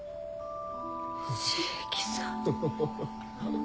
椎木さん。